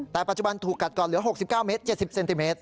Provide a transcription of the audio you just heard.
แต่ปัจจุบันถูกกัดก่อนเหลือ๖๙เมตร๗๐เซนติเมตร